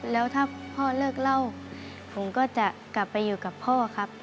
แล้วถ้าพ่อเลิกเล่าผมก็จะกลับไปอยู่กับพ่อครับ